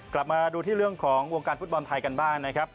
กลับมาดูที่เรื่องของวงการฟุตบอลไทยกันบ้างนะครับ